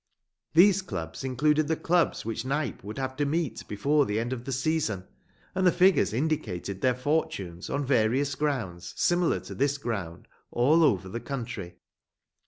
These clubs included the clubs which Knype would have to meet before the end of the season, and the figures indicated their fortunes on various grounds similar to this ground all over the country.